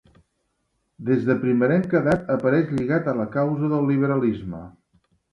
Des de primerenca edat apareix lligat a la causa del liberalisme.